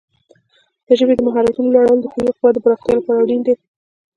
د ژبې د مهارتونو لوړول د فکري قوت د پراختیا لپاره اړین دي.